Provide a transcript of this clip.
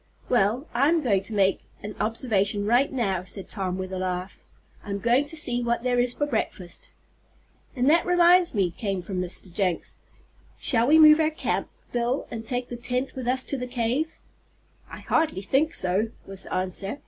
"Well, I'm going to make an observation right now," said Tom, with a laugh. "I'm going to see what there is for breakfast." "And that reminds me," came from Mr. Jenks, "shall we move our camp, Bill, and take the tent with us to the cave?" "I hardly think so," was the answer.